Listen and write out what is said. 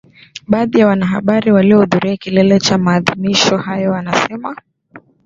Baadhi ya wanahabari waliohudhuria kilele cha maadhimisho hayo wanasema